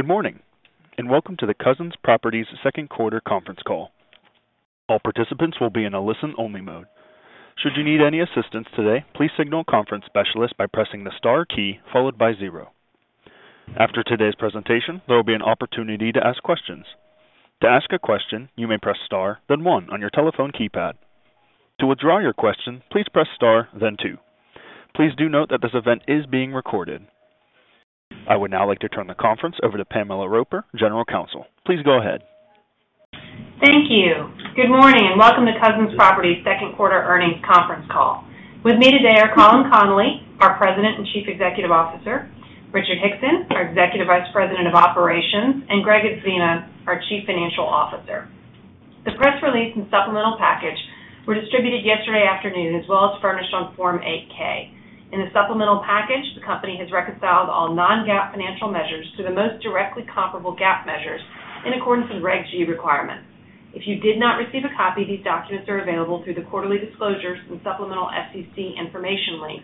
Good morning, and welcome to the Cousins Properties second quarter conference call. All participants will be in a listen-only mode. Should you need any assistance today, please signal a conference specialist by pressing the star key followed by zero. After today's presentation, there will be an opportunity to ask questions. To ask a question, you may press star, then one on your telephone keypad. To withdraw your question, please press star, then two. Please do note that this event is being recorded. I would now like to turn the conference over to Pamela Roper, General Counsel. Please go ahead. Thank you. Good morning and welcome to Cousins Properties second quarter earnings conference call. With me today are Colin Connolly, our President and Chief Executive Officer, Richard Hickson, our Executive Vice President of Operations, and Gregg Adzema, our Chief Financial Officer. The press release and supplemental package were distributed yesterday afternoon as well as furnished on Form 8-K. In the supplemental package, the company has reconciled all non-GAAP financial measures to the most directly comparable GAAP measures in accordance with Reg G requirements. If you did not receive a copy, these documents are available through the quarterly disclosures and supplemental SEC information link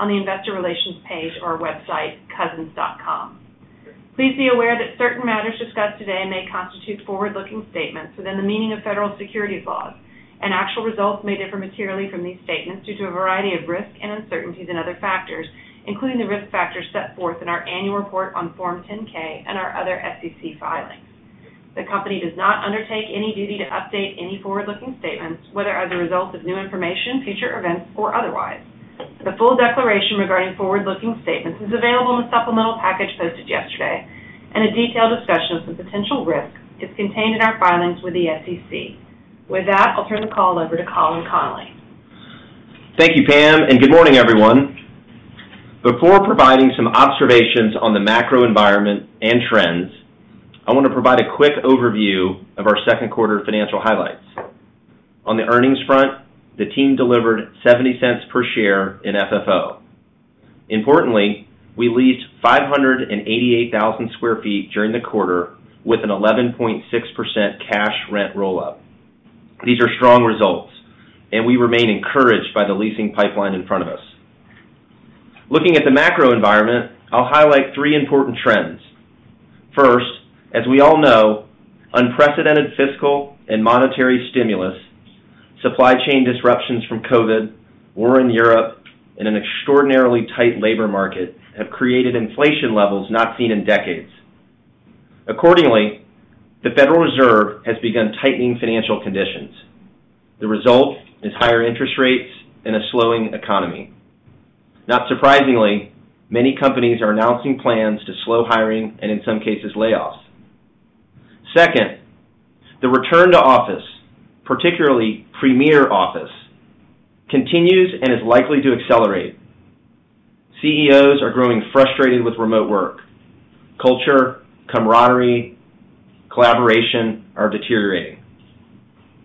on the investor relations page or website, cousins.com. Please be aware that certain matters discussed today may constitute forward-looking statements within the meaning of federal securities laws, and actual results may differ materially from these statements due to a variety of risks and uncertainties and other factors, including the risk factors set forth in our annual report on Form 10-K and our other SEC filings. The company does not undertake any duty to update any forward-looking statements, whether as a result of new information, future events, or otherwise. The full declaration regarding forward-looking statements is available in the supplemental package posted yesterday, and a detailed discussion of the potential risks is contained in our filings with the SEC. With that, I'll turn the call over to Colin Connolly. Thank you, Pam, and good morning, everyone. Before providing some observations on the macro environment and trends, I want to provide a quick overview of our second quarter financial highlights. On the earnings front, the team delivered $0.70 per share in FFO. Importantly, we leased 588,000 sq ft during the quarter with an 11.6% cash rent rollout. These are strong results, and we remain encouraged by the leasing pipeline in front of us. Looking at the macro environment, I'll highlight three important trends. First, as we all know, unprecedented fiscal and monetary stimulus, supply chain disruptions from COVID, war in Europe, and an extraordinarily tight labor market have created inflation levels not seen in decades. Accordingly, the Federal Reserve has begun tightening financial conditions. The result is higher interest rates and a slowing economy. Not surprisingly, many companies are announcing plans to slow hiring, and in some cases, layoffs. Second, the return to office, particularly premier office, continues and is likely to accelerate. CEOs are growing frustrated with remote work. Culture, camaraderie, collaboration are deteriorating.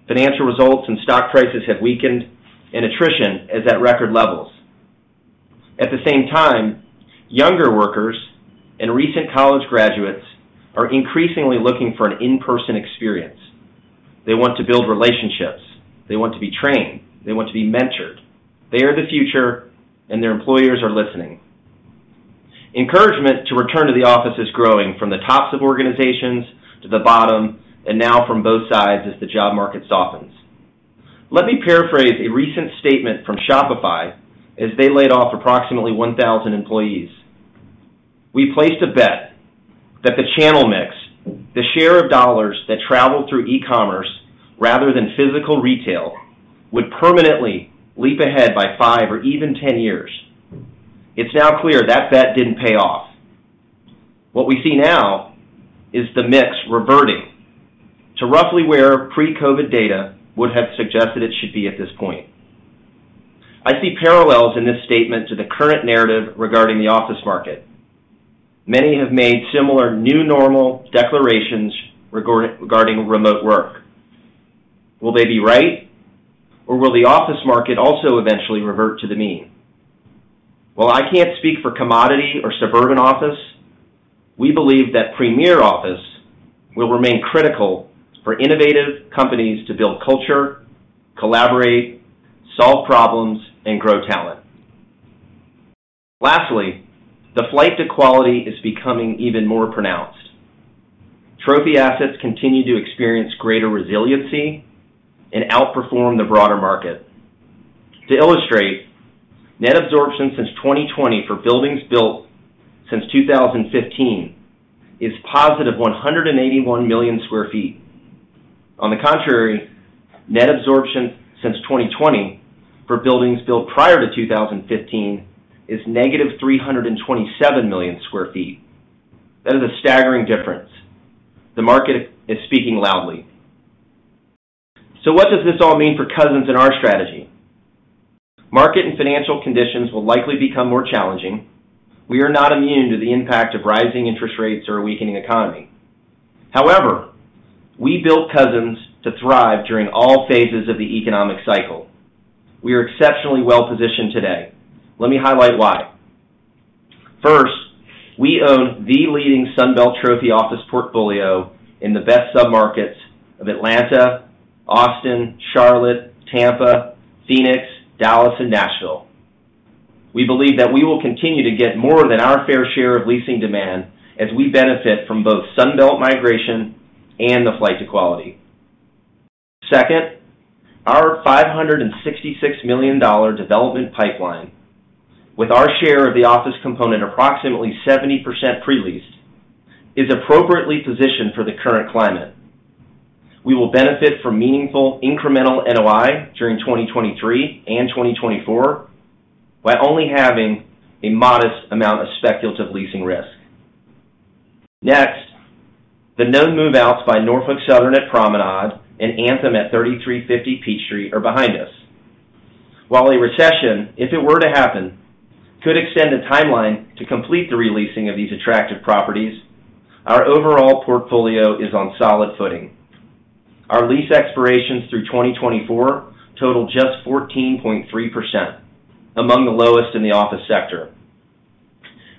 Financial results and stock prices have weakened and attrition is at record levels. At the same time, younger workers and recent college graduates are increasingly looking for an in-person experience. They want to build relationships. They want to be trained. They want to be mentored. They are the future, and their employers are listening. Encouragement to return to the office is growing from the tops of organizations to the bottom, and now from both sides as the job market softens. Let me paraphrase a recent statement from Shopify as they laid off approximately 1,000 employees. We placed a bet that the channel mix, the share of dollars that traveled through e-commerce rather than physical retail, would permanently leap ahead by five or even 10 years. It's now clear that bet didn't pay off. What we see now is the mix reverting to roughly where pre-COVID data would have suggested it should be at this point. I see parallels in this statement to the current narrative regarding the office market. Many have made similar new normal declarations regarding remote work. Will they be right? Or will the office market also eventually revert to the mean? While I can't speak for commodity or suburban office, we believe that Premier Office will remain critical for innovative companies to build culture, collaborate, solve problems, and grow talent. Lastly, the flight to quality is becoming even more pronounced. Trophy assets continue to experience greater resiliency and outperform the broader market. To illustrate, net absorption since 2020 for buildings built since 2015 is positive 181 million sq ft. On the contrary, net absorption since 2020 for buildings built prior to 2015 is negative 327 million sq ft. That is a staggering difference. The market is speaking loudly. What does this all mean for Cousins and our strategy? Market and financial conditions will likely become more challenging. We are not immune to the impact of rising interest rates or a weakening economy. However, we built Cousins to thrive during all phases of the economic cycle. We are exceptionally well-positioned today. Let me highlight why. First, we own the leading Sun Belt trophy office portfolio in the best submarkets of Atlanta, Austin, Charlotte, Tampa, Phoenix, Dallas, and Nashville. We believe that we will continue to get more than our fair share of leasing demand as we benefit from both Sun Belt migration and the flight to quality. Second, our $566 million development pipeline, with our share of the office component approximately 70% pre-leased, is appropriately positioned for the current climate. We will benefit from meaningful incremental NOI during 2023 and 2024 by only having a modest amount of speculative leasing risk. Next, the known move-outs by Norfolk Southern at Promenade and Anthem at 3350 Peachtree are behind us. While a recession, if it were to happen, could extend the timeline to complete the re-leasing of these attractive properties, our overall portfolio is on solid footing. Our lease expirations through 2024 total just 14.3%, among the lowest in the office sector.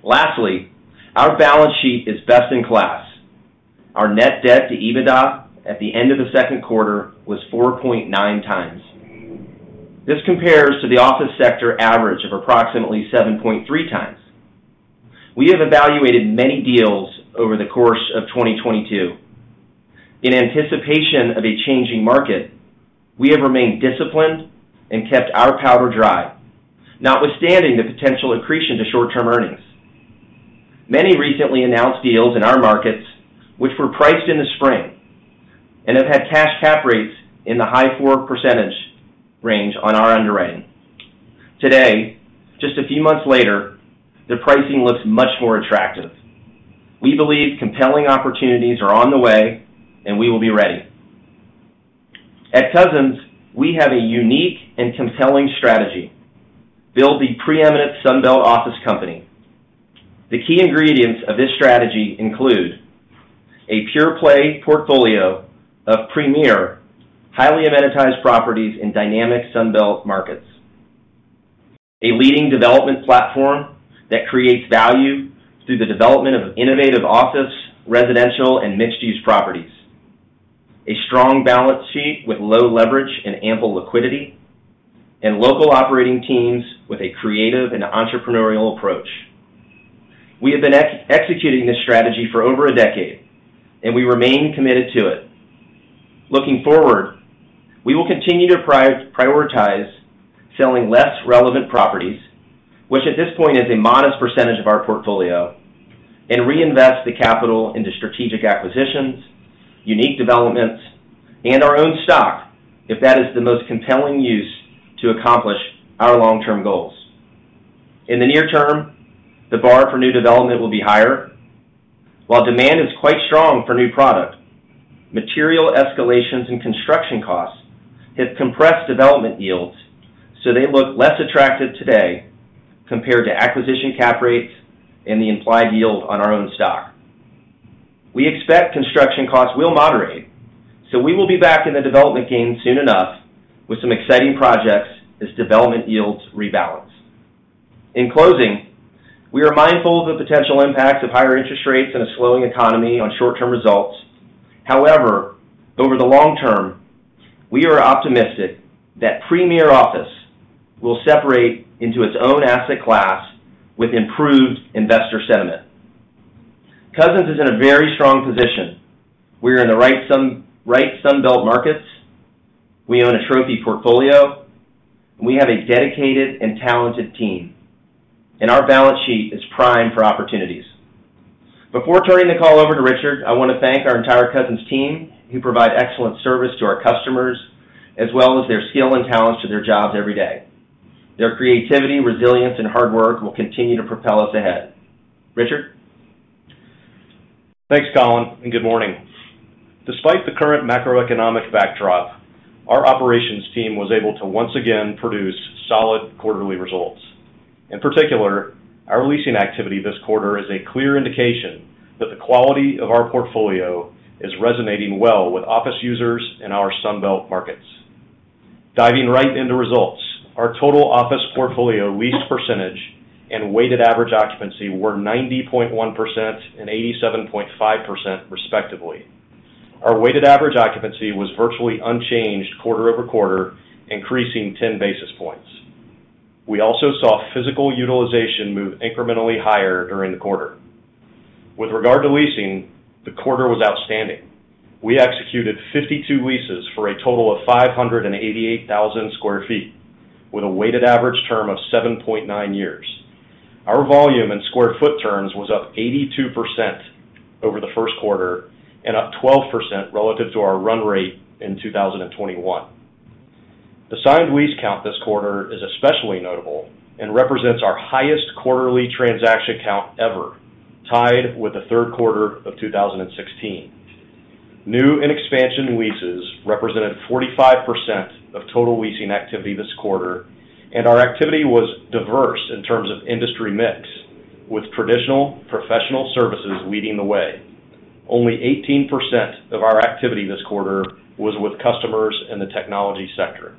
Lastly, our balance sheet is best in class. Our net debt to EBITDA at the end of the second quarter was 4.9x. This compares to the office sector average of approximately 7.3x. We have evaluated many deals over the course of 2022. In anticipation of a changing market, we have remained disciplined and kept our powder dry, notwithstanding the potential accretion to short-term earnings. Many recently announced deals in our markets, which were priced in the spring and have had cash cap rates in the high 4% range on our underwriting. Today, just a few months later, the pricing looks much more attractive. We believe compelling opportunities are on the way, and we will be ready. At Cousins, we have a unique and compelling strategy, build the preeminent Sun Belt office company. The key ingredients of this strategy include a pure play portfolio of premier, highly amenitized properties in dynamic Sun Belt markets. A leading development platform that creates value through the development of innovative office, residential, and mixed-use properties. A strong balance sheet with low leverage and ample liquidity, and local operating teams with a creative and entrepreneurial approach. We have been executing this strategy for over a decade, and we remain committed to it. Looking forward, we will continue to prioritize selling less relevant properties, which at this point is a modest percentage of our portfolio, and reinvest the capital into strategic acquisitions, unique developments, and our own stock if that is the most compelling use to accomplish our long-term goals. In the near term, the bar for new development will be higher. While demand is quite strong for new product, material escalations and construction costs have compressed development yields, so they look less attractive today compared to acquisition cap rates and the implied yield on our own stock. We expect construction costs will moderate, so we will be back in the development game soon enough with some exciting projects as development yields rebalance. In closing, we are mindful of the potential impacts of higher interest rates in a slowing economy on short-term results. However, over the long term, we are optimistic that premier office will separate into its own asset class with improved investor sentiment. Cousins is in a very strong position. We are in the right Sun Belt markets. We own a trophy portfolio. We have a dedicated and talented team, and our balance sheet is primed for opportunities. Before turning the call over to Richard, I wanna thank our entire Cousins team, who provide excellent service to our customers, as well as their skill and talents to their jobs every day. Their creativity, resilience, and hard work will continue to propel us ahead. Richard? Thanks, Colin, and good morning. Despite the current macroeconomic backdrop, our operations team was able to once again produce solid quarterly results. In particular, our leasing activity this quarter is a clear indication that the quality of our portfolio is resonating well with office users in our Sun Belt markets. Diving right into results, our total office portfolio leased percentage and weighted average occupancy were 90.1% and 87.5% respectively. Our weighted average occupancy was virtually unchanged quarter over quarter, increasing 10 basis points. We also saw physical utilization move incrementally higher during the quarter. With regard to leasing, the quarter was outstanding. We executed 52 leases for a total of 588,000 sq ft with a weighted average term of 7.9 years. Our volume in sq ft terms was up 82% over the first quarter and up 12% relative to our run rate in 2021. The signed lease count this quarter is especially notable and represents our highest quarterly transaction count ever, tied with the third quarter of 2016. New and expansion leases represented 45% of total leasing activity this quarter, and our activity was diverse in terms of industry mix, with traditional professional services leading the way. Only 18% of our activity this quarter was with customers in the technology sector.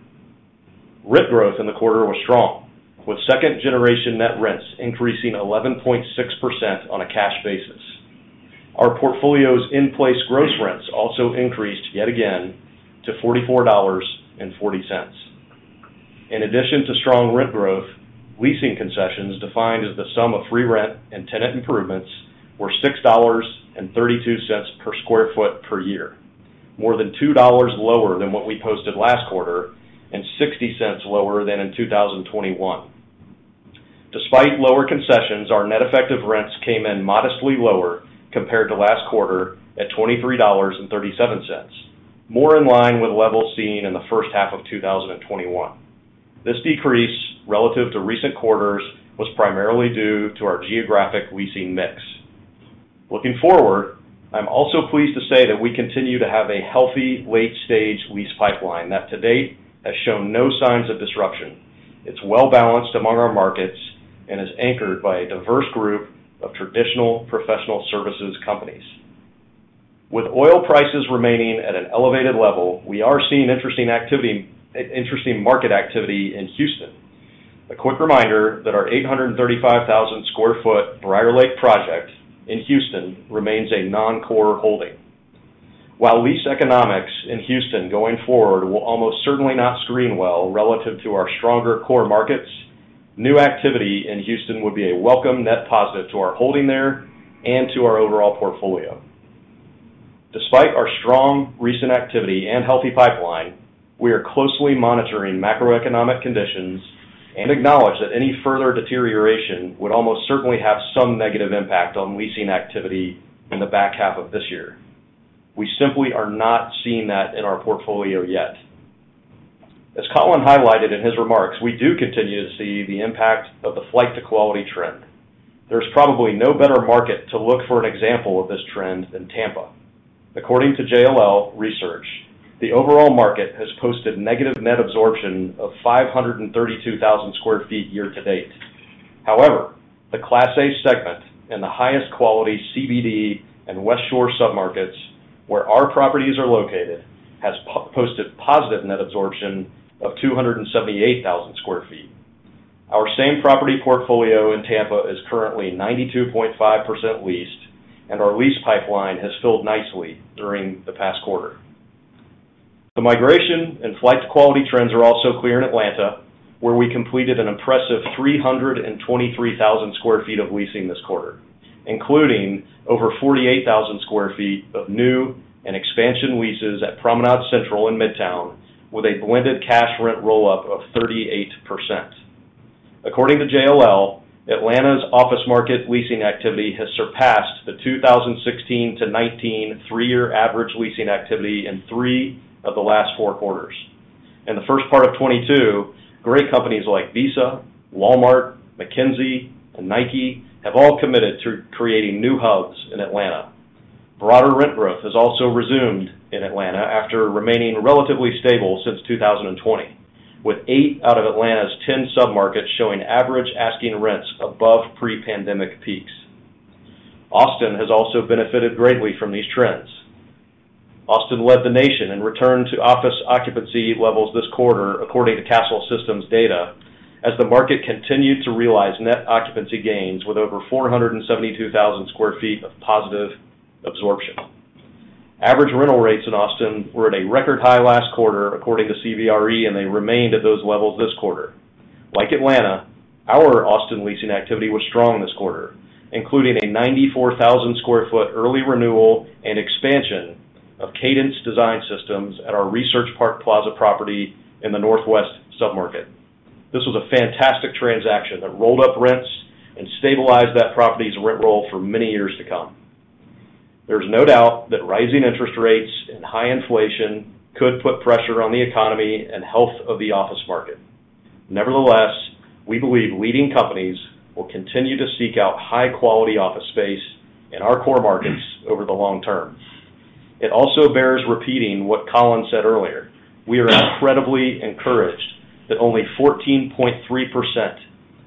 Rent growth in the quarter was strong, with second-generation net rents increasing 11.6% on a cash basis. Our portfolio's in-place gross rents also increased yet again to $44.40. In addition to strong rent growth, leasing concessions defined as the sum of free rent and tenant improvements were $6.32 per sq ft per year. More than $2 lower than what we posted last quarter and 60 cents lower than in 2021. Despite lower concessions, our net effective rents came in modestly lower compared to last quarter at $23.37. More in line with levels seen in the first half of 2021. This decrease relative to recent quarters was primarily due to our geographic leasing mix. Looking forward, I'm also pleased to say that we continue to have a healthy late-stage lease pipeline that to date has shown no signs of disruption. It's well-balanced among our markets and is anchored by a diverse group of traditional professional services companies. With oil prices remaining at an elevated level, we are seeing interesting activity, interesting market activity in Houston. A quick reminder that our 835,000 sq ft BriarLake project in Houston remains a non-core holding. While lease economics in Houston going forward will almost certainly not screen well relative to our stronger core markets, new activity in Houston would be a welcome net positive to our holding there and to our overall portfolio. Despite our strong recent activity and healthy pipeline, we are closely monitoring macroeconomic conditions and acknowledge that any further deterioration would almost certainly have some negative impact on leasing activity in the back half of this year. We simply are not seeing that in our portfolio yet. As Colin highlighted in his remarks, we do continue to see the impact of the flight to quality trend. There's probably no better market to look for an example of this trend than Tampa. According to JLL Research, the overall market has posted negative net absorption of 532,000 sq ft year to date. However, the Class A segment in the highest quality CBD and Westshore submarkets, where our properties are located, has posted positive net absorption of 278,000 sq ft. Our same property portfolio in Tampa is currently 92.5% leased, and our lease pipeline has filled nicely during the past quarter. The migration and flight to quality trends are also clear in Atlanta, where we completed an impressive 323,000 sq ft of leasing this quarter, including over 48,000 sq ft of new and expansion leases at Promenade Central in Midtown, with a blended cash rent roll-up of 38%. According to JLL, Atlanta's office market leasing activity has surpassed the 2016-2019 three-year average leasing activity in three of the last four quarters. In the first part of 2022, great companies like Visa, Walmart, McKinsey, and Nike have all committed to creating new hubs in Atlanta. Broader rent growth has also resumed in Atlanta after remaining relatively stable since 2020, with eight out of Atlanta's 10 submarkets showing average asking rents above pre-pandemic peaks. Austin has also benefited greatly from these trends. Austin led the nation in return to office occupancy levels this quarter, according to Kastle Systems data, as the market continued to realize net occupancy gains with over 472,000 sq ft of positive absorption. Average rental rates in Austin were at a record high last quarter, according to CBRE, and they remained at those levels this quarter. Like Atlanta, our Austin leasing activity was strong this quarter, including a 94,000 sq ft early renewal and expansion of Cadence Design Systems at our Research Park Plaza property in the northwest submarket. This was a fantastic transaction that rolled up rents and stabilized that property's rent roll for many years to come. There's no doubt that rising interest rates and high inflation could put pressure on the economy and health of the office market. Nevertheless, we believe leading companies will continue to seek out high-quality office space in our core markets over the long term. It also bears repeating what Colin said earlier. We are incredibly encouraged that only 14.3%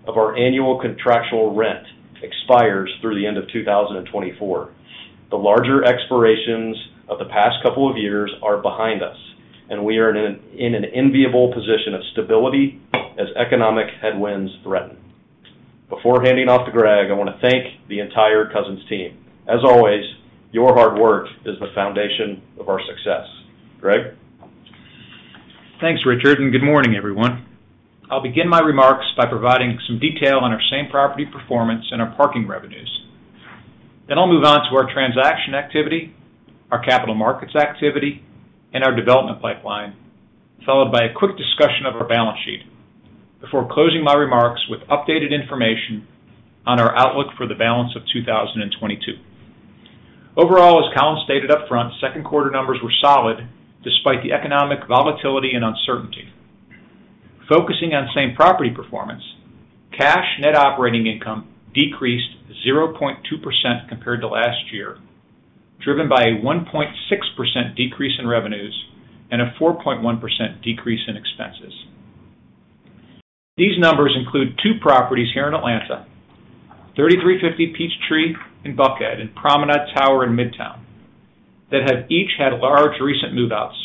of our annual contractual rent expires through the end of 2024. The larger expirations of the past couple of years are behind us, and we are in an enviable position of stability as economic headwinds threaten. Before handing off to Gregg, I want to thank the entire Cousins team. As always, your hard work is the foundation of our success. Gregg? Thanks, Richard, and good morning, everyone. I'll begin my remarks by providing some detail on our same property performance and our parking revenues. Then I'll move on to our transaction activity, our capital markets activity, and our development pipeline, followed by a quick discussion of our balance sheet, before closing my remarks with updated information on our outlook for the balance of 2022. Overall, as Colin stated upfront, second quarter numbers were solid despite the economic volatility and uncertainty. Focusing on same property performance, cash net operating income decreased 0.2% compared to last year, driven by a 1.6% decrease in revenues and a 4.1% decrease in expenses. These numbers include two properties here in Atlanta, 3350 Peachtree in Buckhead and Promenade Tower in Midtown, that have each had large recent move-outs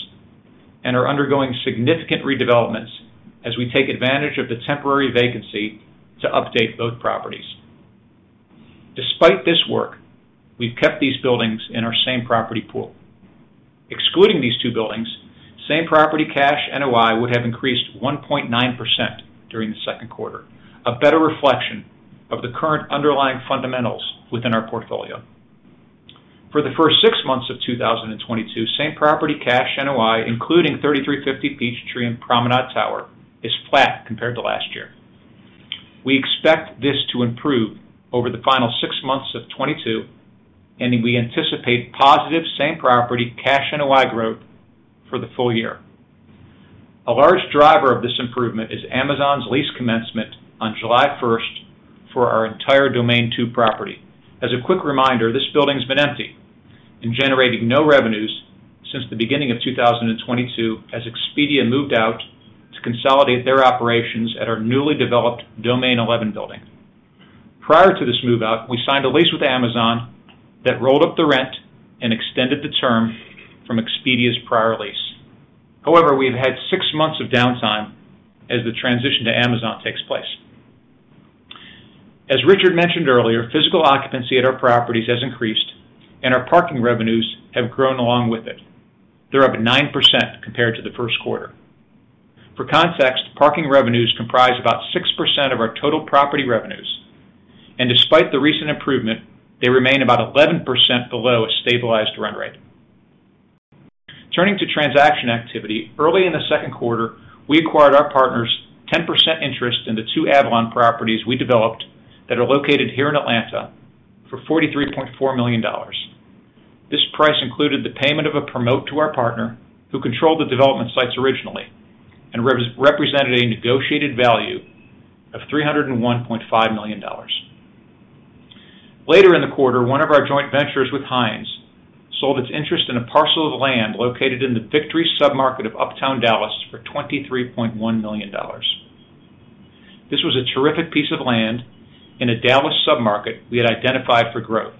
and are undergoing significant redevelopments as we take advantage of the temporary vacancy to update those properties. Despite this work, we've kept these buildings in our same property pool. Excluding these two buildings, same property cash NOI would have increased 1.9% during the second quarter, a better reflection of the current underlying fundamentals within our portfolio. For the first six months of 2022, same property cash NOI, including 3350 Peachtree and Promenade Tower, is flat compared to last year. We expect this to improve over the final six months of 2022, and we anticipate positive same property cash NOI growth for the full year. A large driver of this improvement is Amazon's lease commencement on July first for our entire Domain 2 property. As a quick reminder, this building's been empty and generating no revenues since the beginning of 2022 as Expedia moved out to consolidate their operations at our newly developed Domain 11 building. Prior to this move out, we signed a lease with Amazon that rolled up the rent and extended the term from Expedia's prior lease. However, we have had 6 months of downtime as the transition to Amazon takes place. As Richard mentioned earlier, physical occupancy at our properties has increased and our parking revenues have grown along with it. They're up 9% compared to the first quarter. For context, parking revenues comprise about 6% of our total property revenues, and despite the recent improvement, they remain about 11% below a stabilized run rate. Turning to transaction activity. Early in the second quarter, we acquired our partner's 10% interest in the two Avalon properties we developed that are located here in Atlanta for $43.4 million. This price included the payment of a promote to our partner who controlled the development sites originally and represented a negotiated value of $301.5 million. Later in the quarter, one of our joint ventures with Hines sold its interest in a parcel of land located in the Victory submarket of uptown Dallas for $23.1 million. This was a terrific piece of land in a Dallas submarket we had identified for growth.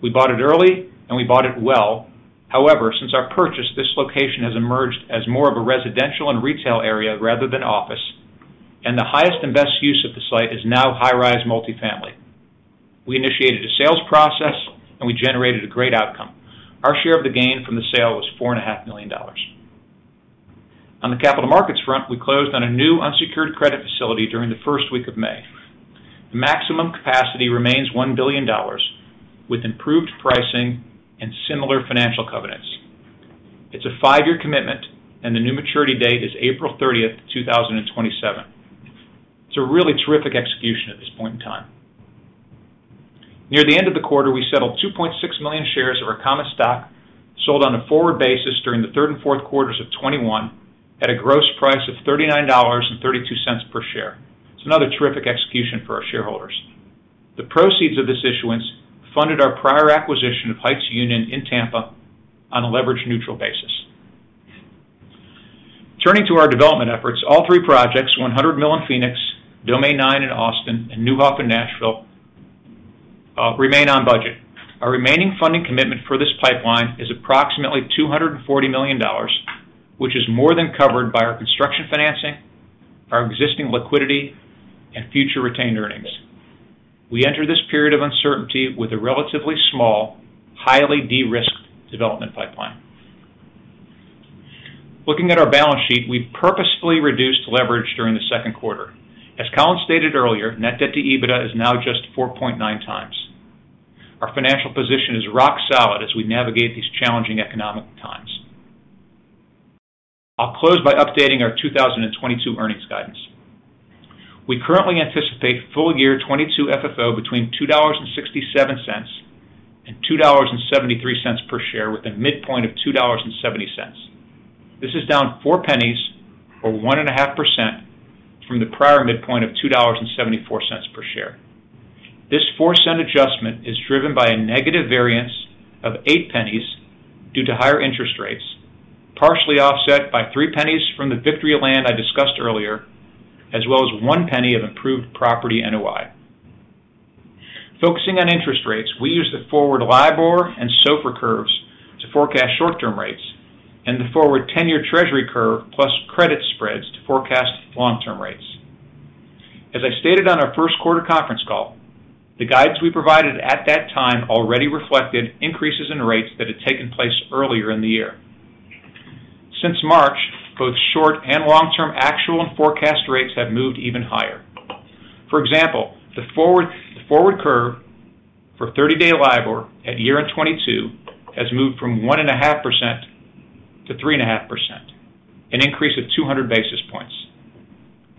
We bought it early, and we bought it well. However, since our purchase, this location has emerged as more of a residential and retail area rather than office, and the highest and best use of the site is now high-rise multifamily. We initiated a sales process, and we generated a great outcome. Our share of the gain from the sale was $4.5 million. On the capital markets front, we closed on a new unsecured credit facility during the first week of May. The maximum capacity remains $1 billion with improved pricing and similar financial covenants. It's a five-year commitment, and the new maturity date is April 30, 2027. It's a really terrific execution at this point in time. Near the end of the quarter, we settled 2.6 million shares of our common stock, sold on a forward basis during the third and fourth quarters of 2021 at a gross price of $39.32 per share. It's another terrific execution for our shareholders. The proceeds of this issuance funded our prior acquisition of Heights Union in Tampa on a leverage neutral basis. Turning to our development efforts, all three projects, 100 Mill in Phoenix, Domain 9 in Austin, and Neuhoff in Nashville, remain on budget. Our remaining funding commitment for this pipeline is approximately $240 million, which is more than covered by our construction financing, our existing liquidity, and future retained earnings. We enter this period of uncertainty with a relatively small, highly de-risked development pipeline. Looking at our balance sheet, we've purposefully reduced leverage during the second quarter. As Colin stated earlier, Net Debt to EBITDA is now just 4.9 times. Our financial position is rock solid as we navigate these challenging economic times. I'll close by updating our 2022 earnings guidance. We currently anticipate full year 2022 FFO between $2.67 and $2.73 per share with a midpoint of $2.70. This is down $0.04 Or 1.5% from the prior midpoint of $2.74 per share. This $0.04 Adjustment is driven by a negative variance of $0.08 Due to higher interest rates, partially offset by $0.03 From the Victory land I discussed earlier, as well as $0.01 Of improved property NOI. Focusing on interest rates, we use the forward LIBOR and SOFR curves to forecast short-term rates and the forward 10-year treasury curve plus credit spreads to forecast long-term rates. As I stated on our first quarter conference call, the guides we provided at that time already reflected increases in rates that had taken place earlier in the year. Since March, both short- and long-term actual and forecast rates have moved even higher. For example, the forward forward curve for 30-day LIBOR at year-end 2022 has moved from 1.5%-3.5%, an increase of 200 basis points.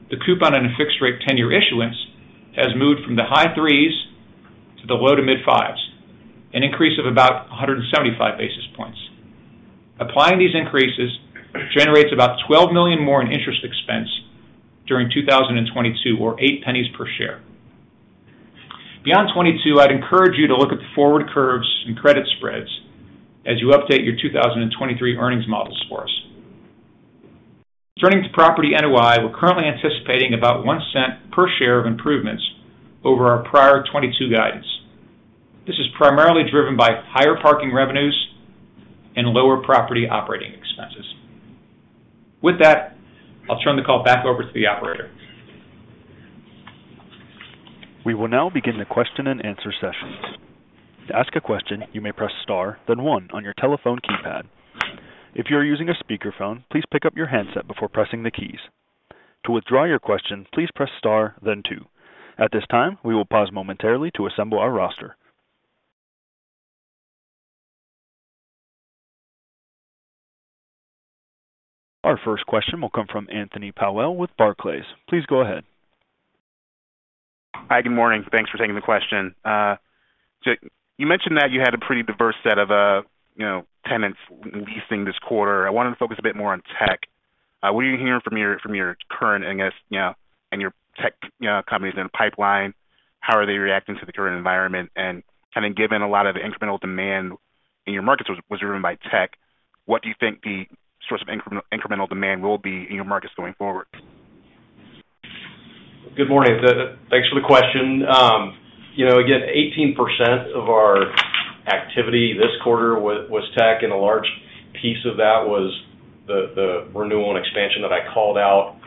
The coupon on a fixed-rate 10-year issuance has moved from the high 3s to the low- to mid-5s, an increase of about 175 basis points. Applying these increases generates about $12 million more in interest expense during 2022 or $0.08 per share. Beyond 2022, I'd encourage you to look at the forward curves and credit spreads as you update your 2023 earnings models for us. Turning to property NOI, we're currently anticipating about $0.01 per share of improvements over our prior 2022 guidance. This is primarily driven by higher parking revenues and lower property operating expenses. With that, I'll turn the call back over to the operator. We will now begin the question-and-answer session. To ask a question, you may press Star, then one on your telephone keypad. If you are using a speakerphone, please pick up your handset before pressing the keys. To withdraw your question, please press Star then two. At this time, we will pause momentarily to assemble our roster. Our first question will come from Anthony Powell with Barclays. Please go ahead. Hi. Good morning. Thanks for taking the question. So you mentioned that you had a pretty diverse set of, you know, tenants leasing this quarter. I wanted to focus a bit more on tech. What are you hearing from your, from your current, I guess, you know, and your tech, you know, companies in the pipeline? How are they reacting to the current environment? Kind of given a lot of the incremental demand in your markets was driven by tech, what do you think the source of incremental demand will be in your markets going forward? Good morning. Thanks for the question. You know, again, 18% of our activity this quarter was tech, and a large piece of that was the renewal and expansion that I called out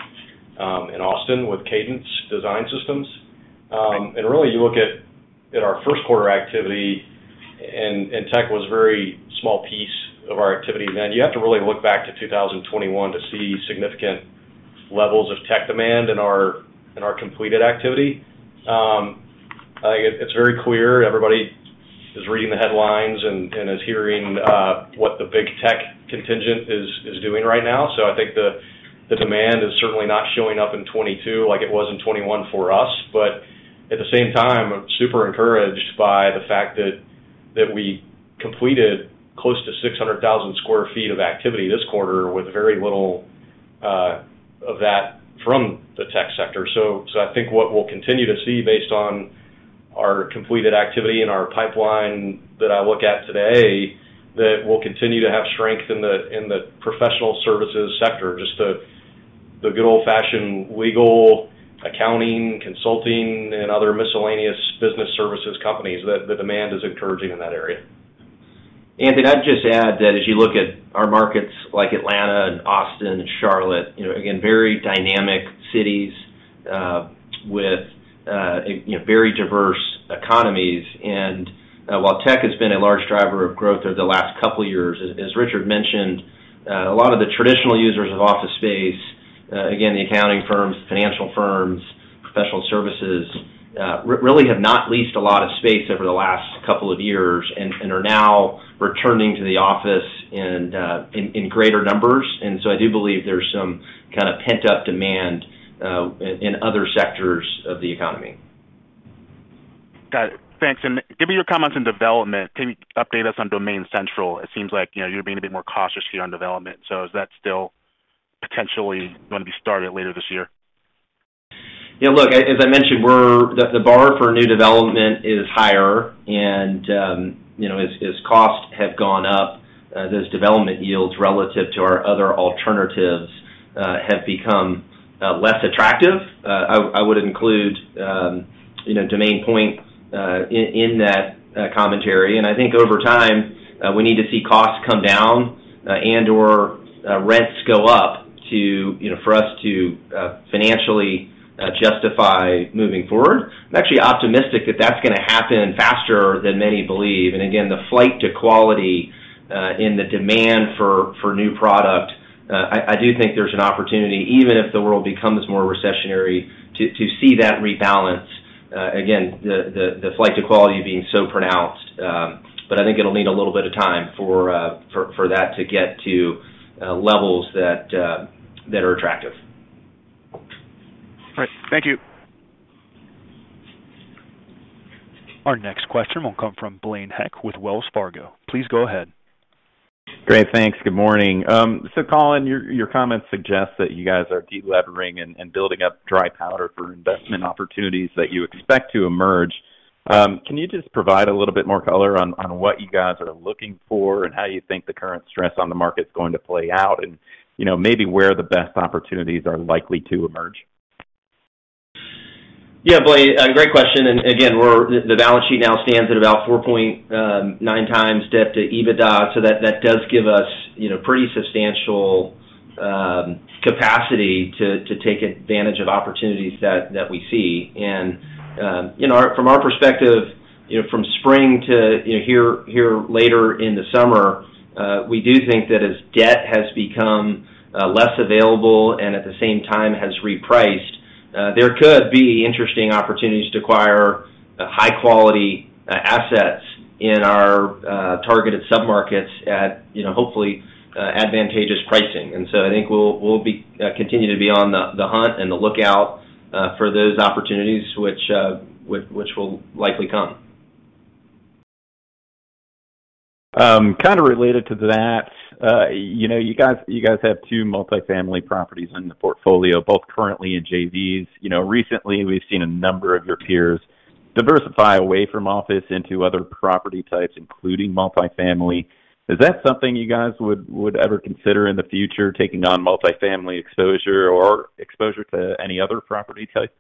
in Austin with Cadence Design Systems. Really, you look at our first quarter activity and tech was a very small piece of our activity then. You have to really look back to 2021 to see significant levels of tech demand in our completed activity. I think it's very clear everybody is reading the headlines and is hearing what the big tech contingent is doing right now. I think the demand is certainly not showing up in 2022 like it was in 2021 for us. At the same time, I'm super encouraged by the fact that we completed close to 600,000 sq ft of activity this quarter with very little of that from the tech sector. So I think what we'll continue to see based on our completed activity and our pipeline that I look at today, that we'll continue to have strength in the professional services sector, just the good old-fashioned legal, accounting, consulting, and other miscellaneous business services companies. The demand is encouraging in that area. Anthony, I'd just add that as you look at our markets like Atlanta and Austin and Charlotte, you know, again, very dynamic cities with you know very diverse economies. While tech has been a large driver of growth over the last couple years, as Richard mentioned, a lot of the traditional users of office space, again, the accounting firms, financial firms, professional services really have not leased a lot of space over the last couple of years and are now returning to the office in greater numbers. I do believe there's some kind of pent-up demand in other sectors of the economy. Got it. Thanks. Given your comments in development, can you update us on Domain Central? It seems like, you know, you're being a bit more cautious here on development. Is that still potentially gonna be started later this year? Yeah, look, as I mentioned, the bar for new development is higher, and you know, as costs have gone up, those development yields relative to our other alternatives have become less attractive. I would include, you know, Domain Point in that commentary. I think over time we need to see costs come down and/or rents go up to, you know, for us to financially justify moving forward. I'm actually optimistic that that's gonna happen faster than many believe. Again, the flight to quality and the demand for new product, I do think there's an opportunity, even if the world becomes more recessionary, to see that rebalance, again, the flight to quality being so pronounced. I think it'll need a little bit of time for that to get to levels that are attractive. All right. Thank you. Our next question will come from Blaine Heck with Wells Fargo. Please go ahead. Great. Thanks. Good morning. So Colin, your comments suggest that you guys are delevering and building up dry powder for investment opportunities that you expect to emerge. Can you just provide a little bit more color on what you guys are looking for and how you think the current stress on the market's going to play out and, you know, maybe where the best opportunities are likely to emerge? Yeah, Blaine, great question. Again, the balance sheet now stands at about 4.9 times debt to EBITDA. That does give us, you know, pretty substantial capacity to take advantage of opportunities that we see. From our perspective, you know, from spring to here later in the summer, we do think that as debt has become less available and at the same time has repriced, there could be interesting opportunities to acquire high-quality assets in our targeted submarkets at, you know, hopefully, advantageous pricing. I think we'll continue to be on the hunt and the lookout for those opportunities which will likely come. Kind of related to that, you know, you guys have two multifamily properties in the portfolio, both currently in JVs. You know, recently we've seen a number of your peers diversify away from office into other property types, including multifamily. Is that something you guys would ever consider in the future, taking on multifamily exposure or exposure to any other property type?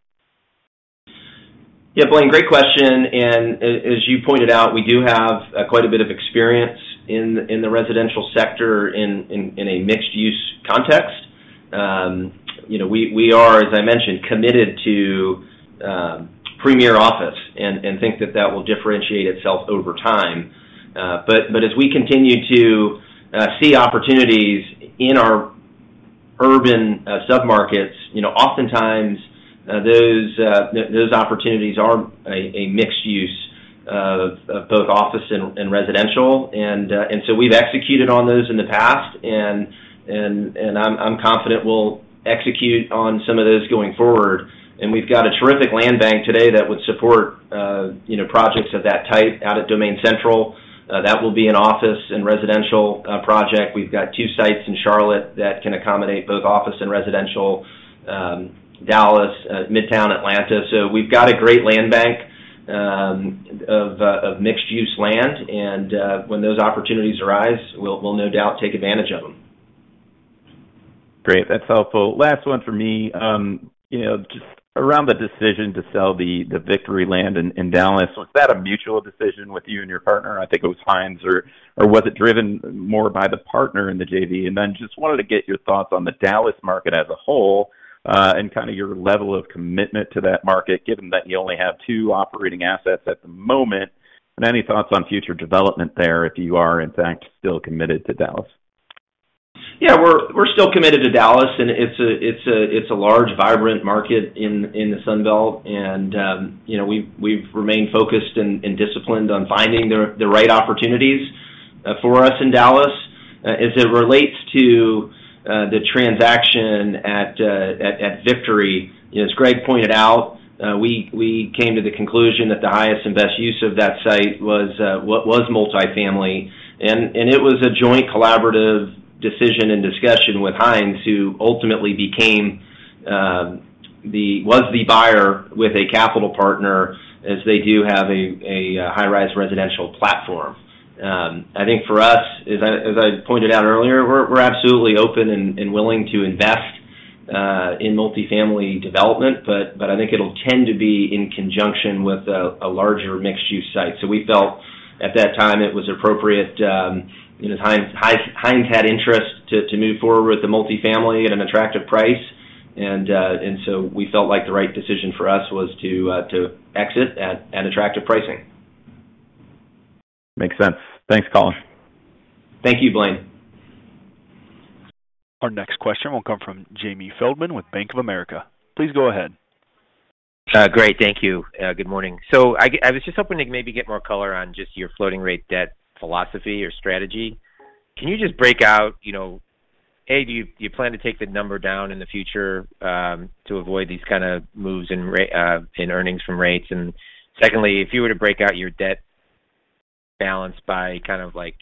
Yeah, Blaine, great question. As you pointed out, we do have quite a bit of experience in the residential sector in a mixed use context. You know, we are, as I mentioned, committed to premier office and think that that will differentiate itself over time. But as we continue to see opportunities in our urban sub-markets, you know, oftentimes, those opportunities are a mixed use of both office and residential. And so we've executed on those in the past and I'm confident we'll execute on some of those going forward. We've got a terrific land bank today that would support, you know, projects of that type out of Domain Central. That will be an office and residential project. We've got two sites in Charlotte that can accommodate both office and residential, Dallas, Midtown Atlanta. We've got a great land bank of mixed use land. When those opportunities arise, we'll no doubt take advantage of them. Great. That's helpful. Last one for me. You know, just around the decision to sell the Victory land in Dallas. Was that a mutual decision with you and your partner? I think it was Hines. Or was it driven more by the partner in the JV? Then just wanted to get your thoughts on the Dallas market as a whole, and kind of your level of commitment to that market, given that you only have two operating assets at the moment. Any thoughts on future development there if you are in fact still committed to Dallas? Yeah, we're still committed to Dallas, and it's a large, vibrant market in the Sun Belt. You know, we've remained focused and disciplined on finding the right opportunities for us in Dallas. As it relates to the transaction at Victory, you know, as Gregg pointed out, we came to the conclusion that the highest and best use of that site was what was multifamily. It was a joint collaborative decision and discussion with Hines, who ultimately was the buyer with a capital partner, as they do have a high-rise residential platform. I think for us, as I pointed out earlier, we're absolutely open and willing to invest in multifamily development, but I think it'll tend to be in conjunction with a larger mixed use site. We felt at that time it was appropriate, you know, Hines had interest to move forward with the multifamily at an attractive price. We felt like the right decision for us was to exit at attractive pricing. Makes sense. Thanks, Colin. Thank you, Blaine. Our next question will come from Jamie Feldman with Bank of America. Please go ahead. Great. Thank you. Good morning. I was just hoping to maybe get more color on just your floating rate debt philosophy or strategy. Can you just break out, you know, A, do you plan to take the number down in the future, to avoid these kind of moves in earnings from rates? And secondly, if you were to break out your debt balance by kind of like,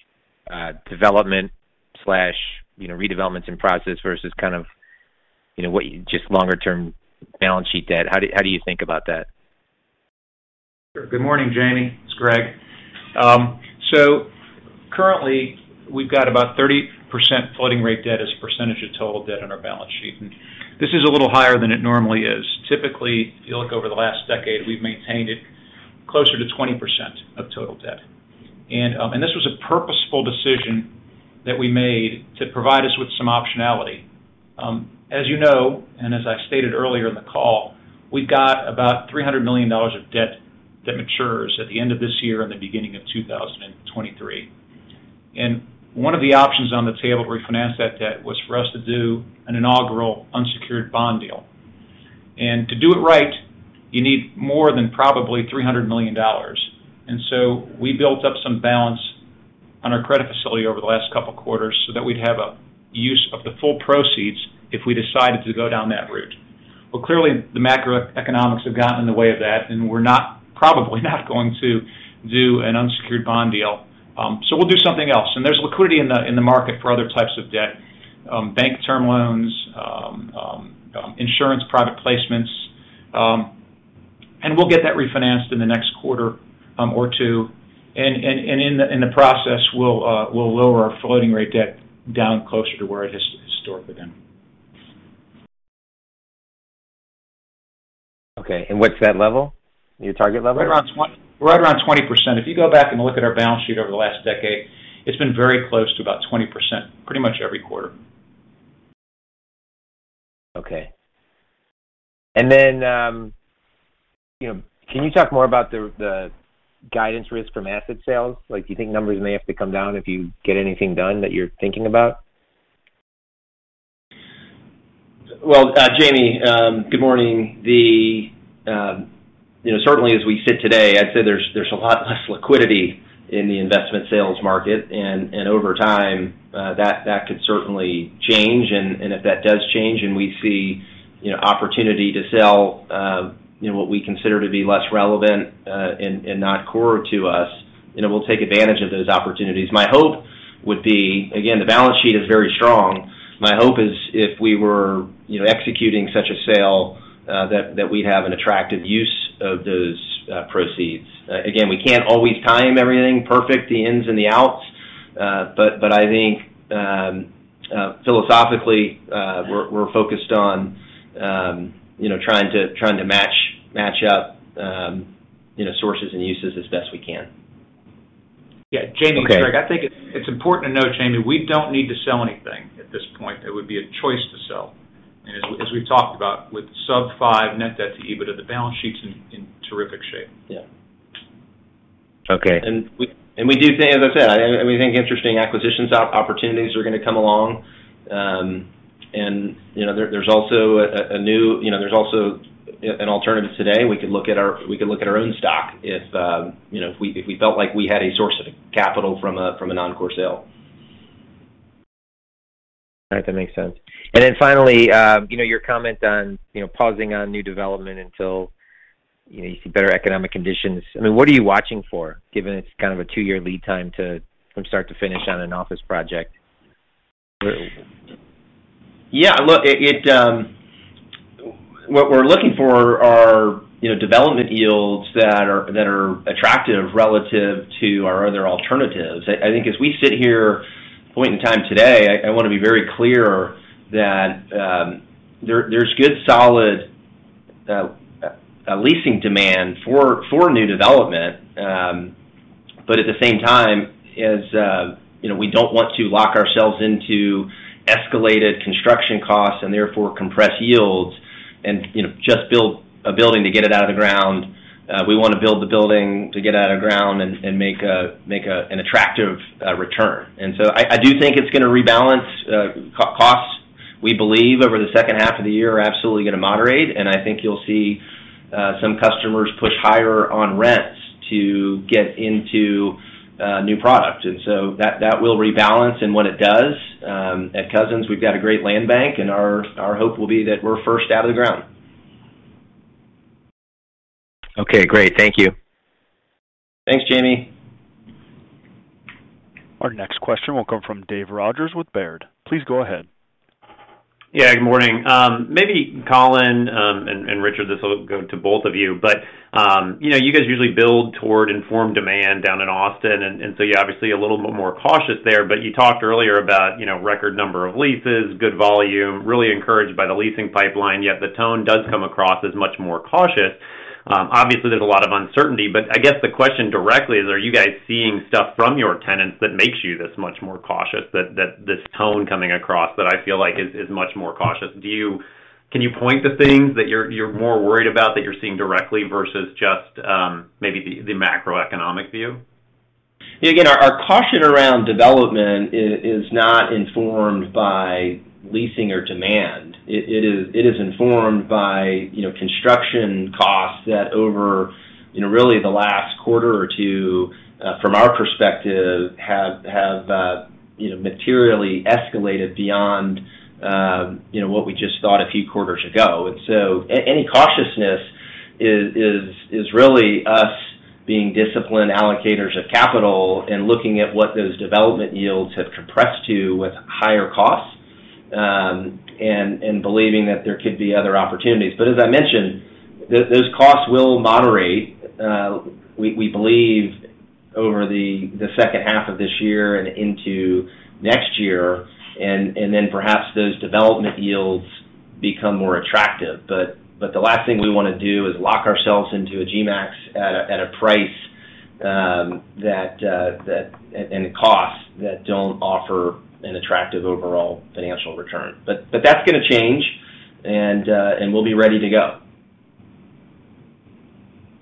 development slash, you know, redevelopments in process versus kind of, you know, what you just longer term balance sheet debt, how do you think about that? Good morning, Jamie. It's Gregg. Currently, we've got about 30% floating rate debt as a percentage of total debt on our balance sheet. This is a little higher than it normally is. Typically, if you look over the last decade, we've maintained it closer to 20% of total debt. This was a purposeful decision that we made to provide us with some optionality. As you know, and as I stated earlier in the call, we've got about $300 million of debt that matures at the end of this year and the beginning of 2023. One of the options on the table to refinance that debt was for us to do an inaugural unsecured bond deal. To do it right, you need more than probably $300 million. We built up some balance on our credit facility over the last couple quarters so that we'd have a use of the full proceeds if we decided to go down that route. Well, clearly, the macroeconomics have gotten in the way of that, and we're probably not going to do an unsecured bond deal. So we'll do something else. There's liquidity in the market for other types of debt, bank term loans, insurance, private placements, and we'll get that refinanced in the next quarter or two. In the process, we'll lower our floating rate debt down closer to where it has historically been. Okay. What's that level? Your target level? Right around 20%. If you go back and look at our balance sheet over the last decade, it's been very close to about 20%, pretty much every quarter. Okay. You know, can you talk more about the guidance risk from asset sales? Like, do you think numbers may have to come down if you get anything done that you're thinking about? Well, Jamie, good morning. You know, certainly as we sit today, I'd say there's a lot less liquidity in the investment sales market. Over time, that could certainly change. If that does change and we see you know, opportunity to sell, you know, what we consider to be less relevant, and not core to us, you know, we'll take advantage of those opportunities. My hope would be, again, the balance sheet is very strong. My hope is if we were you know, executing such a sale, that we'd have an attractive use of those proceeds. Again, we can't always time everything perfect, the ins and the outs, but I think philosophically, we're focused on you know, trying to match up you know, sources and uses as best we can. Yeah. Jamie- Okay. I think it's important to note, Jamie, we don't need to sell anything at this point. It would be a choice to sell. As we've talked about with sub-five Net Debt to EBITDA, the balance sheet's in terrific shape. Yeah. Okay. We do think, as I said, we think interesting acquisitions opportunities are gonna come along. You know, there's also an alternative today. We could look at our own stock if, you know, if we felt like we had a source of capital from a non-core sale. All right. That makes sense. Then finally, you know, your comment on, you know, pausing on new development until, you know, you see better economic conditions. I mean, what are you watching for, given it's kind of a two-year lead time from start to finish on an office project? Yeah. Look, what we're looking for are, you know, development yields that are attractive relative to our other alternatives. I think at this point in time today, I wanna be very clear that there's good solid leasing demand for new development. At the same time, you know, we don't want to lock ourselves into escalated construction costs and therefore compress yields and, you know, just build a building to get it out of the ground. We wanna build the building to get it out of the ground and make an attractive return. I do think it's gonna rebalance costs. We believe over the second half of the year are absolutely gonna moderate, and I think you'll see some customers push higher on rents to get into new product. When it does, at Cousins, we've got a great land bank and our hope will be that we're first outta the ground. Okay. Great. Thank you. Thanks, Jamie. Our next question will come from David Rodgers with Baird. Please go ahead. Yeah, good morning. Maybe Colin and Richard, this will go to both of you. You know, you guys usually build toward informed demand down in Austin, and so you're obviously a little bit more cautious there. You talked earlier about, you know, record number of leases, good volume, really encouraged by the leasing pipeline, yet the tone does come across as much more cautious. Obviously, there's a lot of uncertainty, but I guess the question directly is, are you guys seeing stuff from your tenants that makes you this much more cautious that this tone coming across that I feel like is much more cautious. Can you point to things that you're more worried about that you're seeing directly versus just maybe the macroeconomic view? Yeah. Again, our caution around development is not informed by leasing or demand. It is informed by, you know, construction costs that over, you know, really the last quarter or two, from our perspective, have, you know, materially escalated beyond, you know, what we just thought a few quarters ago. Any cautiousness is really us being disciplined allocators of capital and looking at what those development yields have compressed to with higher costs, and believing that there could be other opportunities. As I mentioned, those costs will moderate, we believe over the second half of this year and into next year. Then perhaps those development yields become more attractive. The last thing we wanna do is lock ourselves into a GMP at a price and costs that don't offer an attractive overall financial return. That's gonna change and we'll be ready to go.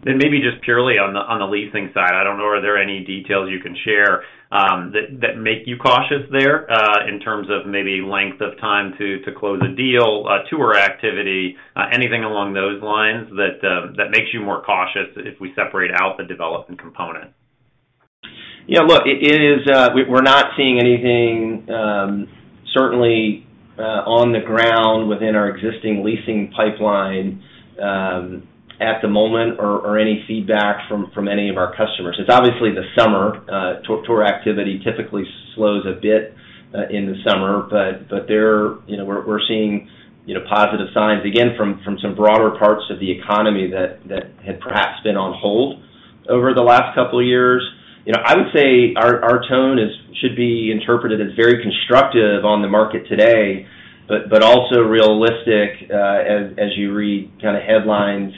Maybe just purely on the leasing side, I don't know, are there any details you can share that make you cautious there, in terms of maybe length of time to close a deal, tour activity, anything along those lines that makes you more cautious if we separate out the development component? Yeah. Look, it is. We're not seeing anything certainly on the ground within our existing leasing pipeline at the moment or any feedback from any of our customers. It's obviously the summer. Tour activity typically slows a bit in the summer. There, you know, we're seeing, you know, positive signs again from some broader parts of the economy that had perhaps been on hold over the last couple years. You know, I would say our tone should be interpreted as very constructive on the market today, but also realistic as you read kind of headlines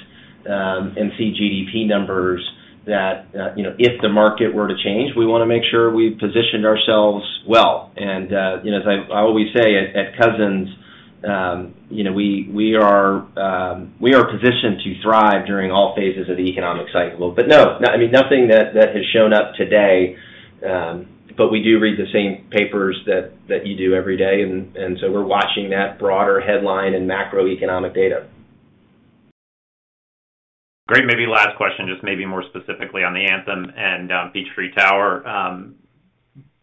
and see GDP numbers that, you know, if the market were to change, we wanna make sure we've positioned ourselves well. You know, as I always say at Cousins, you know, we are positioned to thrive during all phases of the economic cycle. No, I mean, nothing that has shown up today. We do read the same papers that you do every day. We're watching that broader headline and macroeconomic data. Great. Maybe last question, just maybe more specifically on the Anthem and, Peachtree Tower.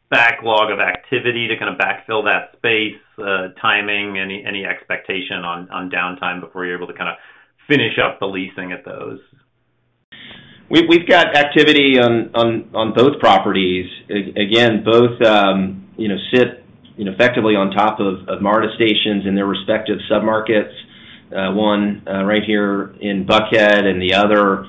Backlog of activity to kind of backfill that space, timing, any expectation on downtime before you're able to kind of finish up the leasing at those? We've got activity on both properties. Again, both you know sit you know effectively on top of MARTA stations in their respective submarkets, one right here in Buckhead and the other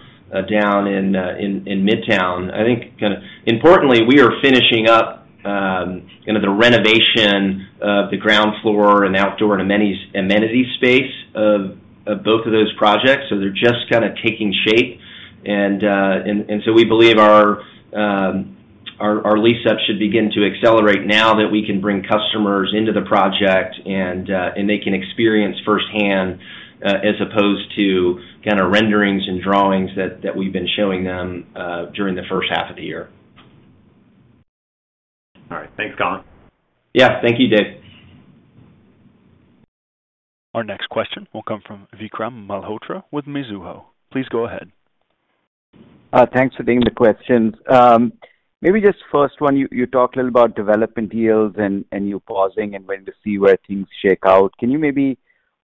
down in Midtown. I think kind of importantly, we are finishing up the renovation of the ground floor and outdoor and amenities space of both of those projects, so they're just kind of taking shape. So we believe our lease-ups should begin to accelerate now that we can bring customers into the project and they can experience firsthand as opposed to kind of renderings and drawings that we've been showing them during the first half of the year. All right. Thanks, Colin. Yeah. Thank you, Dave. Our next question will come from Vikram Malhotra with Mizuho. Please go ahead. Thanks for taking the questions. Maybe just first one, you talked a little about development deals and you pausing and waiting to see where things shake out. Can you maybe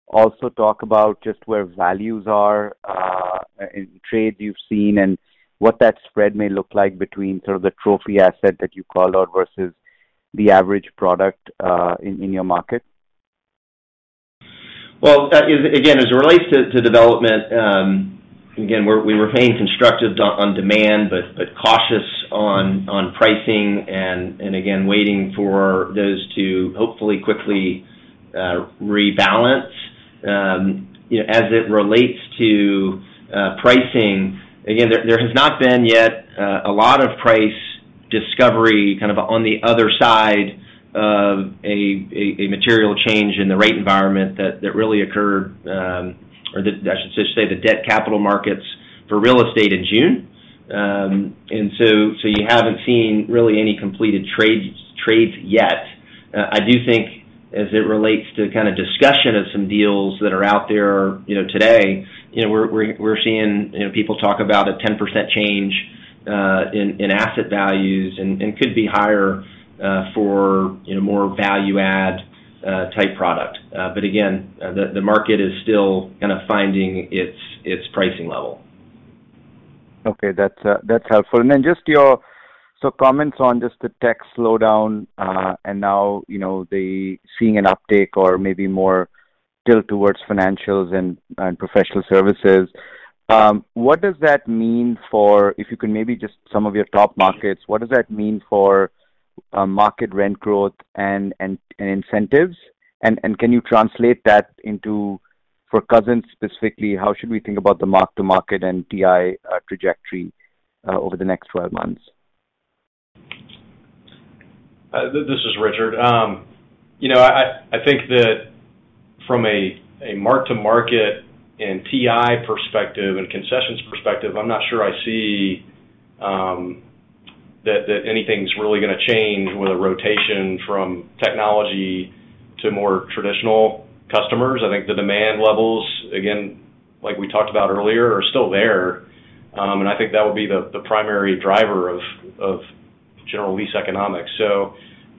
also talk about just where values are in trade you've seen and what that spread may look like between sort of the trophy asset that you called out versus the average product in your market? Well, again, as it relates to development, again, we're remaining constructive on demand, but cautious on pricing and again, waiting for those to hopefully quickly rebalance. You know, as it relates to pricing, again, there has not been yet a lot of price discovery kind of on the other side of a material change in the rate environment that really occurred, or that I should say, the debt capital markets for real estate in June. You haven't seen really any completed trades yet. I do think as it relates to kind of discussion of some deals that are out there, you know, today, you know, we're seeing, you know, people talk about a 10% change in asset values and could be higher for, you know, more value add type product. Again, the market is still kind of finding its pricing level. Okay. That's helpful. So comments on just the tech slowdown, and now, you're seeing an uptick or maybe more tilt towards financials and professional services. What does that mean for. If you could maybe just some of your top markets, what does that mean for market rent growth and incentives. Can you translate that into, for Cousins specifically, how should we think about the mark-to-market and TI trajectory over the next 12 months. This is Richard. You know, I think that from a mark-to-market and TI perspective and concessions perspective, I'm not sure I see that anything's really gonna change with a rotation from technology to more traditional customers. I think the demand levels, again, like we talked about earlier, are still there. I think that would be the primary driver of general lease economics.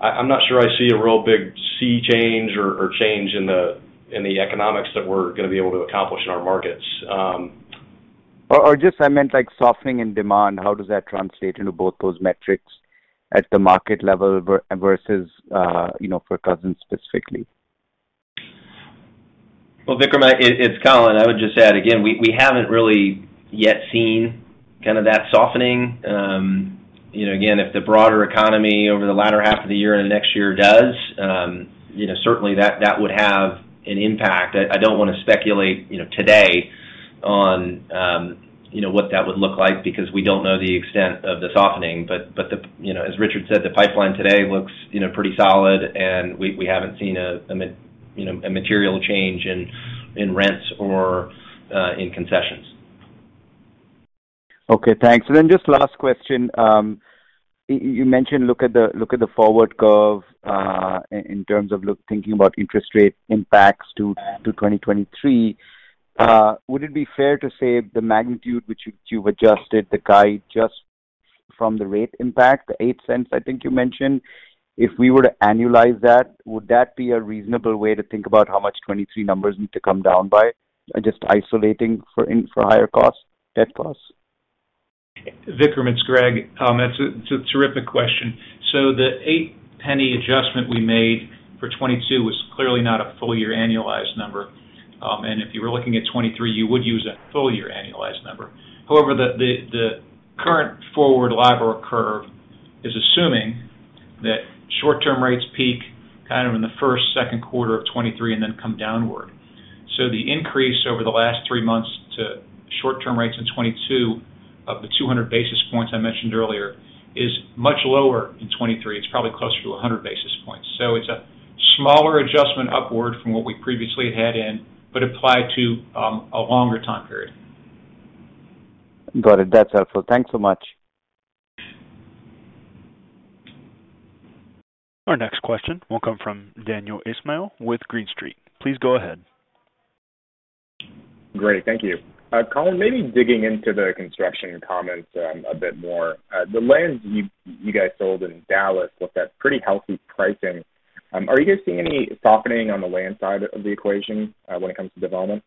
I'm not sure I see a real big sea change or change in the economics that we're gonna be able to accomplish in our markets. I meant like softening in demand. How does that translate into both those metrics at the market level versus, you know, for Cousins specifically? Well, Vikram, it's Colin. I would just add, again, we haven't really yet seen kind of that softening. You know, again, if the broader economy over the latter half of the year and next year does, you know, certainly that would have an impact. I don't wanna speculate, you know, today on, you know, what that would look like because we don't know the extent of the softening. But the, you know, as Richard said, the pipeline today looks, you know, pretty solid, and we haven't seen a material change in rents or in concessions. Okay. Thanks. Just last question. You mentioned look at the forward curve, in terms of thinking about interest rate impacts to 2023. Would it be fair to say the magnitude which you've adjusted the guide just from the rate impact, the $0.08 I think you mentioned, if we were to annualize that, would that be a reasonable way to think about how much 2023 numbers need to come down by just isolating for higher costs, debt costs? Vikram, it's Gregg. That's a terrific question. The 80 bps adjustment we made for 2022 was clearly not a full year annualized number. If you were looking at 2023, you would use a full year annualized number. However, the current forward LIBOR curve is assuming that short-term rates peak kind of in the first, second quarter of 2023 and then come downward. The increase over the last three months to short-term rates in 2022 of the 200 basis points I mentioned earlier is much lower in 2023. It's probably closer to 100 basis points. It's a smaller adjustment upward from what we previously had in, but applied to a longer time period. Got it. That's helpful. Thanks so much. Our next question will come from Daniel Ismail with Green Street. Please go ahead. Great. Thank you. Colin, maybe digging into the construction comments a bit more. The land you guys sold in Dallas was at pretty healthy pricing. Are you guys seeing any softening on the land side of the equation, when it comes to development?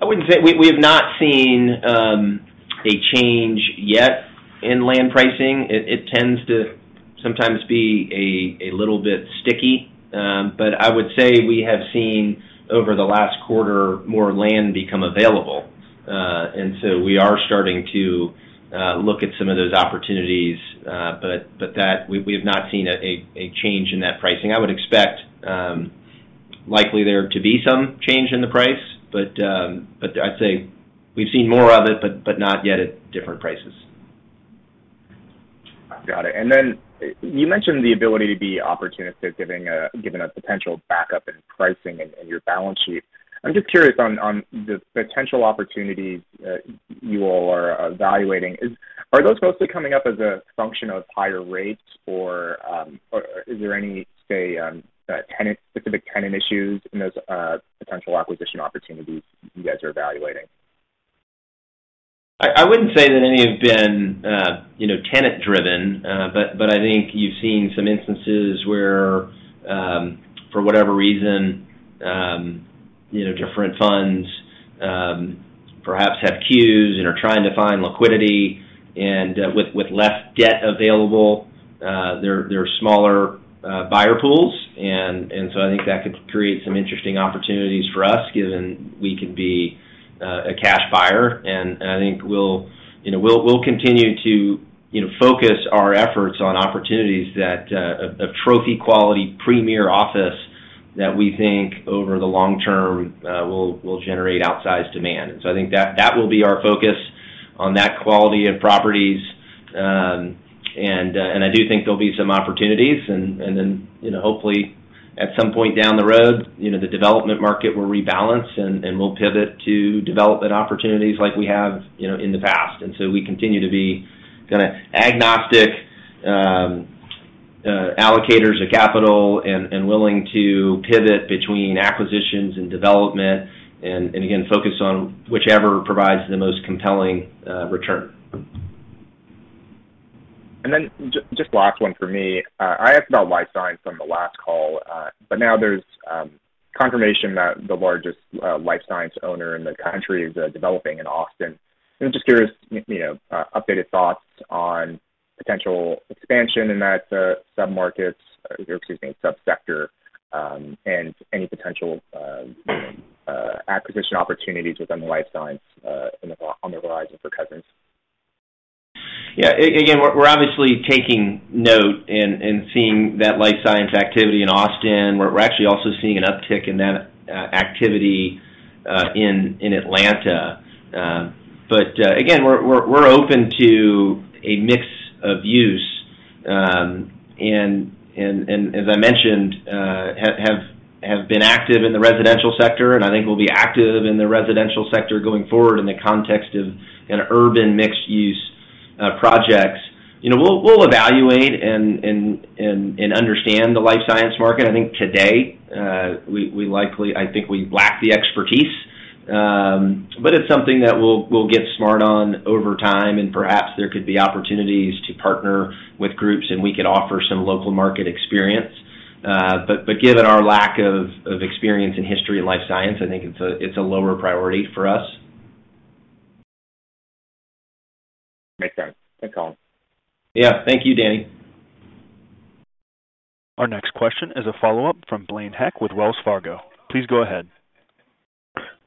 I wouldn't say we have not seen a change yet in land pricing. It tends to sometimes be a little bit sticky. I would say we have seen over the last quarter more land become available. We are starting to look at some of those opportunities. That we have not seen a change in that pricing. I would expect likely there to be some change in the price, but I'd say we've seen more of it, but not yet at different prices. Got it. You mentioned the ability to be opportunistic given a potential backup in pricing and your balance sheet. I'm just curious on the potential opportunities that you all are evaluating. Are those mostly coming up as a function of higher rates, or is there any specific tenant issues in those potential acquisition opportunities you guys are evaluating? I wouldn't say that any have been, you know, tenant driven. I think you've seen some instances where, for whatever reason, you know, different funds perhaps have queues and are trying to find liquidity. With less debt available, there are smaller buyer pools. I think that could create some interesting opportunities for us given we can be a cash buyer. I think we'll you know continue to you know focus our efforts on opportunities that of trophy quality premier office that we think over the long term will generate outsized demand. I think that will be our focus on that quality of properties. I do think there'll be some opportunities and then, you know, hopefully at some point down the road, you know, the development market will rebalance and we'll pivot to development opportunities like we have, you know, in the past. We continue to be kinda agnostic allocators of capital and willing to pivot between acquisitions and development and again, focus on whichever provides the most compelling return. Just last one for me. I asked about life science on the last call, but now there's confirmation that the largest life science owner in the country is developing in Austin. Just curious, you know, updated thoughts on potential expansion in that sub-markets, or excuse me, sub-sector, and any potential acquisition opportunities within the life science on the horizon for Cousins. Again, we're obviously taking note and seeing that life science activity in Austin. We're actually also seeing an uptick in that activity in Atlanta. Again, we're open to a mixed use. As I mentioned, have been active in the residential sector, and I think we'll be active in the residential sector going forward in the context of an urban mixed use projects. You know, we'll evaluate and understand the life science market. I think today we lack the expertise, but it's something that we'll get smart on over time, and perhaps there could be opportunities to partner with groups, and we could offer some local market experience. Given our lack of experience and history in life science, I think it's a lower priority for us. Makes sense. Thanks, Colin. Yeah. Thank you, Daniel. Our next question is a follow-up from Blaine Heck with Wells Fargo. Please go ahead.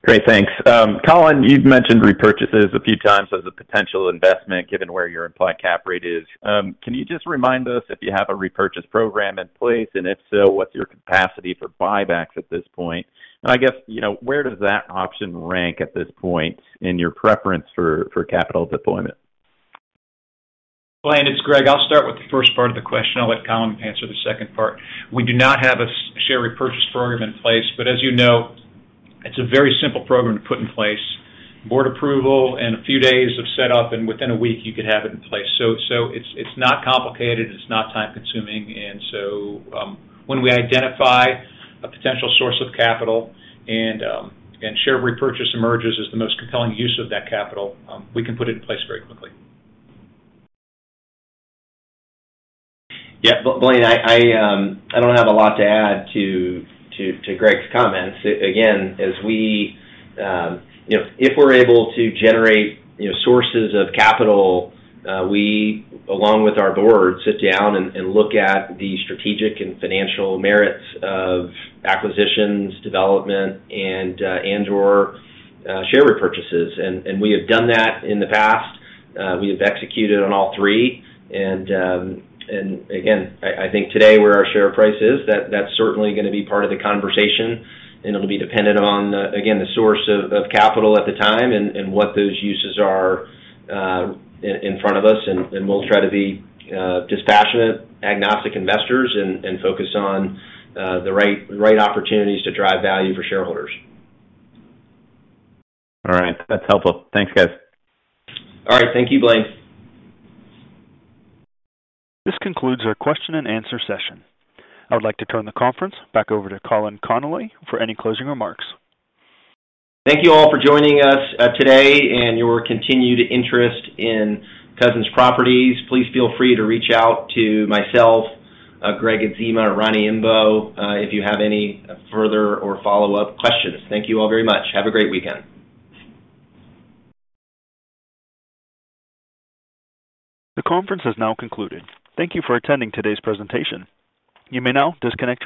Great. Thanks. Colin, you've mentioned repurchases a few times as a potential investment given where your implied cap rate is. Can you just remind us if you have a repurchase program in place, and if so, what's your capacity for buybacks at this point? I guess, you know, where does that option rank at this point in your preference for capital deployment? Blaine, it's Gregg. I'll start with the first part of the question. I'll let Colin answer the second part. We do not have a share repurchase program in place, but as you know, it's a very simple program to put in place. Board approval and a few days of set up, and within a week you could have it in place. So it's not complicated. It's not time consuming. When we identify a potential source of capital and share repurchase emerges as the most compelling use of that capital, we can put it in place very quickly. Yeah. Blaine, I don't have a lot to add to Gregg's comments. Again, as we, you know, if we're able to generate, you know, sources of capital, we, along with our board, sit down and look at the strategic and financial merits of acquisitions, development and/or share repurchases. We have done that in the past. We have executed on all three. Again, I think today where our share price is, that's certainly gonna be part of the conversation, and it'll be dependent on, again, the source of capital at the time and what those uses are, in front of us. We'll try to be dispassionate, agnostic investors and focus on the right opportunities to drive value for shareholders. All right. That's helpful. Thanks, guys. All right. Thank you, Blaine. This concludes our question and answer session. I would like to turn the conference back over to Colin Connolly for any closing remarks. Thank you all for joining us today and your continued interest in Cousins Properties. Please feel free to reach out to myself, Gregg Adzema or Roni Imbeaux, if you have any further or follow-up questions. Thank you all very much. Have a great weekend. The conference has now concluded. Thank you for attending today's presentation. You may now disconnect your lines.